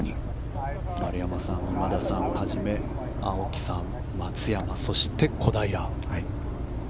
丸山さん、今田さんをはじめ青木さん、松山、そして小平。